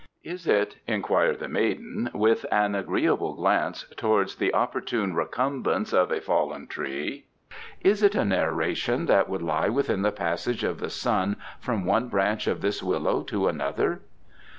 "Is it," inquired the maiden, with an agreeable glance towards the opportune recumbence of a fallen tree, "is it a narration that would lie within the passage of the sun from one branch of this willow to another?"